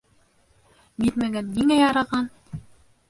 Бирмәгән нигә яраған?